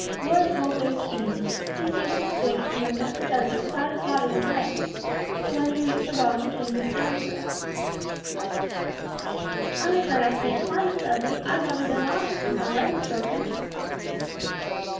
Roy's whole face beamed, he seized his stick and limped after Dudley without a thought of his leg, but when he reached the wall he came to a standstill. "I'm afraid I can't climb it, Dudley, I've never been on it since my leg was broken!"